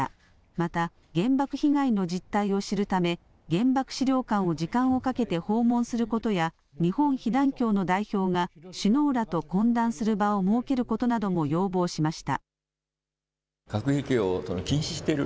また原爆被害の実態を知るため原爆資料館を時間をかけて訪問することや日本被団協の代表が首脳らと懇談する場を設けることなども要望しました。